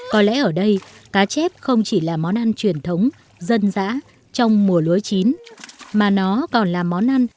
có lẽ ở đây cá chép không chỉ là món ăn truyền thống dân dã trong mùa lúa chín mà nó còn là món ăn